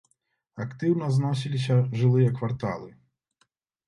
Актыўна зносіліся жылыя кварталы.